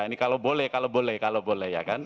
ini kalau boleh kalau boleh kalau boleh ya kan